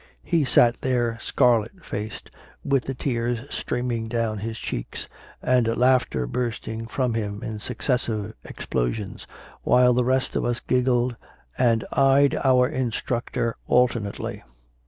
He sat there, scarlet faced, with the tears streaming down his cheeks and laughter bursting from him in successive explosions, while the rest of us giggled and eyed our instructor alternately.